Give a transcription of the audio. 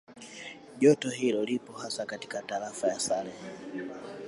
Joto hilo lipo hasa katika Tarafa ya Sale